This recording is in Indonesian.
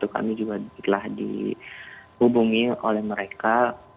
kami juga telah dihubungi oleh mereka